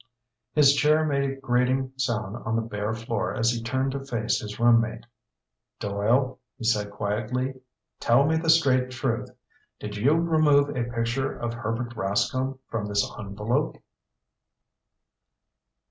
His chair made a grating sound on the bare floor as he turned to face his roommate. "Doyle," he said quietly, "tell me the straight truth. Did you remove a picture of Herbert Rascomb from this envelope?"